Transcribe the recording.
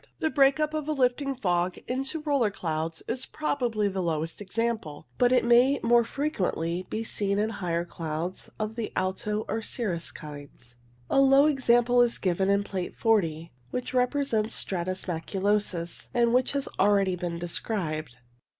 The break up of a lifting fog into 119 120 WAVE CLOUDS roller clouds is probably the lowest example, but it may more frequently be seen in higher clouds of the alto or cirrus kinds. A low example is given in Plate 40, which represents stratus maculosus, and which has already been described.